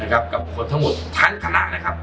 กับคนทั้งหมดทั้งคณะนะครับ